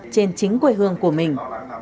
trên chính quê hương của mình